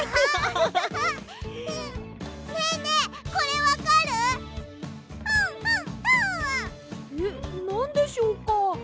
えっなんでしょうか？